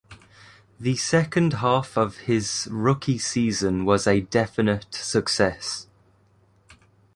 The second half of his rookie season was a definite success.